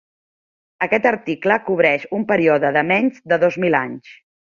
Aquest article cobreix un període de menys de dos mil anys.